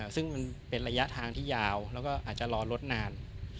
ซึ่งมันเป็นระยะทางที่ยาวแล้วก็อาจจะรอรถนาน